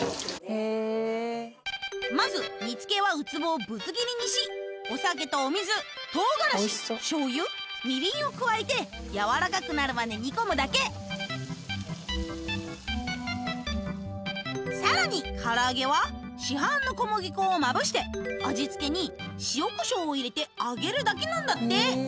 へえまず煮付けはウツボをぶつ切りにしお酒とお水唐辛子醤油みりんを加えてやわらかくなるまで煮込むだけさらに唐揚げは市販の小麦粉をまぶして味付けに塩コショウを入れて揚げるだけなんだって